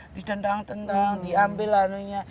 didendang dendang diambil anunya